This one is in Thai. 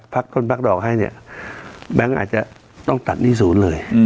ต้นพักดอกให้เนี่ยแบงค์อาจจะต้องตัดหนี้ศูนย์เลย